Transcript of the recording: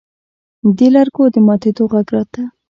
د لرګو د ماتېدو غږ راته.